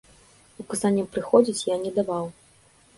Указанняў прыходзіць я не даваў.